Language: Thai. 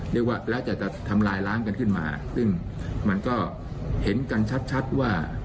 เรียกว่าแล้วแต่จะทำลายล้างกันขึ้นมาซึ่งมันก็เห็นกันชัดว่า